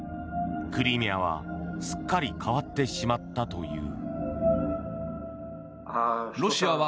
クリミアは、すっかり変わってしまったという。